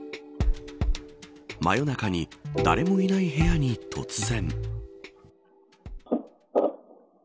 真夜中に誰もいない部屋に突然。